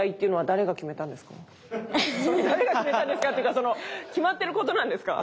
誰が決めたんですかっていうかその決まってることなんですか？